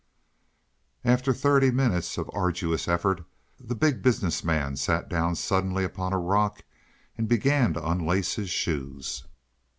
After thirty minutes of arduous effort, the Big Business Man sat down suddenly upon a rock and began to unlace his shoes.